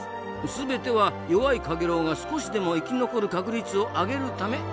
全ては弱いカゲロウが少しでも生き残る確率を上げるためだったんですな。